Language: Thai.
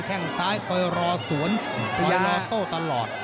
แค่งซ้ายคอยรอสวนคอยรอโต้ตลอด